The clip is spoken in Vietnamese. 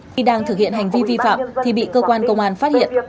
khi đang thực hiện hành vi vi phạm thì bị cơ quan công an phát hiện